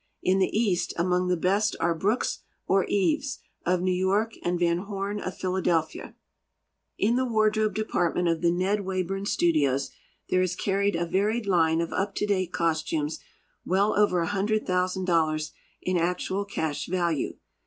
In the east, among the best are Brooks or Eaves, of New York, and Van Horn of Philadelphia. In the wardrobe department of the Ned Wayburn Studios there is carried a varied line of up to date costumes well over a hundred thousand dollars in actual cash value.